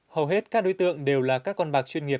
hầu hết các đối tượng đều là các con bạc chuyên nghiệp